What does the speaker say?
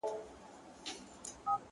سل ځله یې زموږ پر کچکولونو زهر وشیندل-